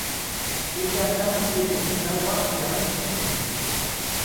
Urte hartan Petrik kargua jarauntsi zuen.